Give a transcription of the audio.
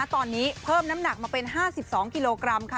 ตอนนี้เพิ่มน้ำหนักมาเป็น๕๒กิโลกรัมค่ะ